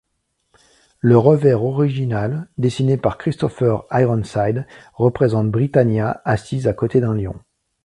Le revers original, dessiné par Christopher Ironside, représente Britannia assise à côté d'un lion.